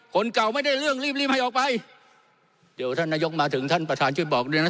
คนเก่าไม่ได้เรื่องรีบรีบให้ออกไปเดี๋ยวท่านนายกมาถึงท่านประธานช่วยบอกด้วยนะ